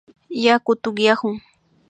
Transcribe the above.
Yaku tukyaykuna